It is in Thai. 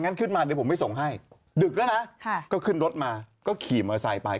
แล้วก็บอกว่า